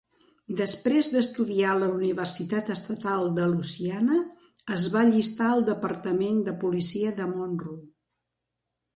Després d'estudiar a la Universitat Estatal de Louisiana es va allistar al departament de policia de Monroe.